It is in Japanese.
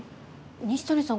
西谷さん